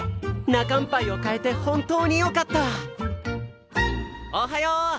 泣かんパイを買えて本当によかったおはよう！